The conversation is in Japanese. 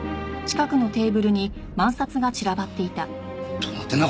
どうなってんだ？